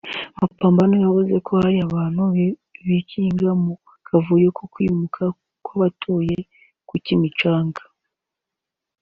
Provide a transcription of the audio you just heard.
Mapambano yavuze ko hari abantu bikinga mu kavuyo ko kwimuka kw’abatuye ku Kimicanga